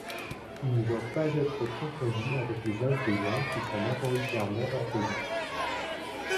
Ils ne doivent pas être confondus avec les Ingriens qui sont majoritairement orthodoxes.